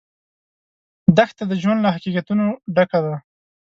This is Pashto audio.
دښته د ژوند له حقیقتونو ډکه ده.